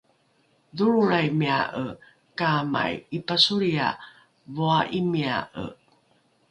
dholrolraimia’e kaamai ’ipasolria voa’imia’e